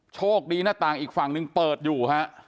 โชคดีหน้าต่างอีกฝั่งหนึ่งเปิดอยู่ฮะ